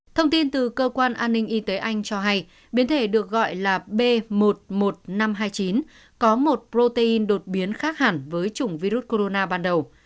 thông tin từ cơ quan an ninh y tế anh cho hay biến thể được gọi là b một mươi một nghìn năm trăm hai mươi chín có một protein đột biến khác hẳn với chủng virus corona ban đầu